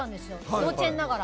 幼稚園ながら。